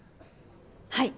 はい。